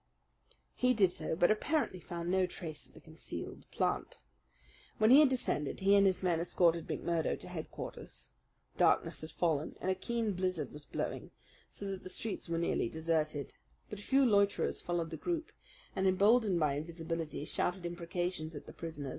He did so; but apparently found no trace of the concealed plant. When he had descended he and his men escorted McMurdo to headquarters. Darkness had fallen, and a keen blizzard was blowing so that the streets were nearly deserted; but a few loiterers followed the group, and emboldened by invisibility shouted imprecations at the prisoner.